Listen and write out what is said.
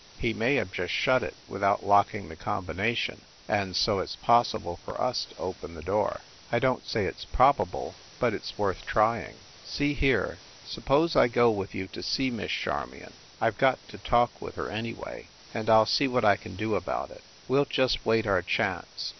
He may have just shut it, without lock ing the combination, and so it s possible for us to open the door. I don t say its probable, but it s worth trying. See here. Suppose I go with you to see Miss Charmion I ve got to talk with her A HARLEM LODGING HOUSE 311 anyway, and I ll see what I can do about it. We ll just wait our chance.